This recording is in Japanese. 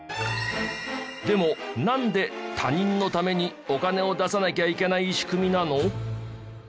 でもなんで他人のためにお金を出さなきゃいけない仕組みなの？